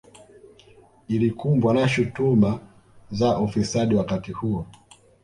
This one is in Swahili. Ilikumbwa na shutuma za ufisadi wakati huo